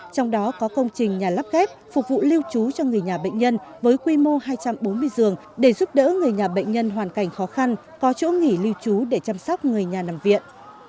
trong đó có công trình nhà lắp ghép phục vụ lưu trú cho người nhà bệnh nhân với quy mô hai trăm bốn mươi giường để giúp đỡ người nhà bệnh nhân hoàn cảnh khó khăn có chỗ nghỉ lưu trú để chăm sóc người nhà nằm viện